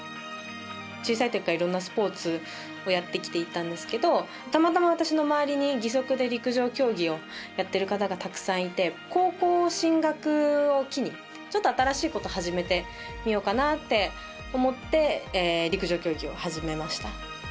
小さいときからいろんなスポーツをやってきていたんですけどたまたま私の周りに義足で陸上競技をやってる方がたくさんいて高校進学を機にちょっと新しいことを始めてみようかなと思って陸上競技を始めました。